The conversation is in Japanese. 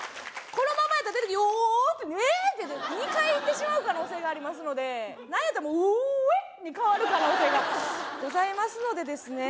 このままやったら「よおっ」「ええっ」って２回いってしまう可能性がありますのでなんやったら「うえっ」に変わる可能性がございますのでですね